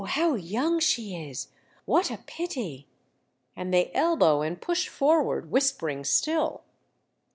how young she is ! What a pity !" And they elbow and push forward, whispering still.